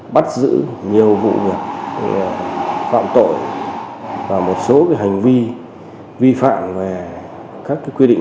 bắt giữ nhiều vụ việc phạm tội và một số hành vi vi phạm về các quy định